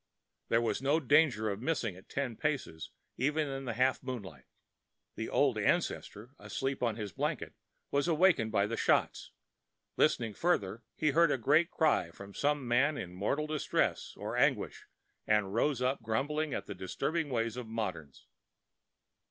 There was no danger of missing at ten paces, even in that half moonlight. The old ancestor, asleep on his blanket, was awakened by the shots. Listening further, he heard a great cry from some man in mortal distress or anguish, and rose up grumbling at the disturbing ways of moderns.